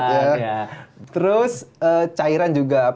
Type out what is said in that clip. terus cairan juga apalagi ibu menyusui kan kualitas asinnya juga berbeda ya